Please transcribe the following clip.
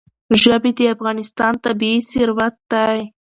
ژبې د افغانستان طبعي ثروت دی.